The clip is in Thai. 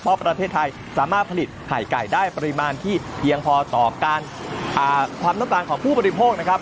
เพราะประเทศไทยสามารถผลิตไข่ไก่ได้ปริมาณที่เพียงพอต่อการความต้องการของผู้บริโภคนะครับ